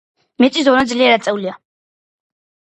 მიწის დონე ძლიერ აწეულია.